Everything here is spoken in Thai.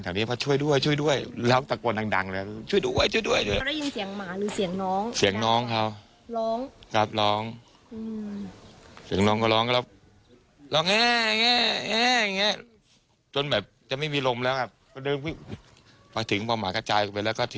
น่วนหมดแล้วครับยกแล้วผมก็